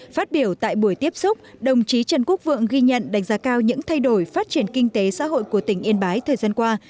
phát biểu tại buổi tiếp xúc đồng chí trần quốc vượng ghi nhận đánh giá cao những thay đổi phát triển kinh tế xã hội của tỉnh yên bái thời gian qua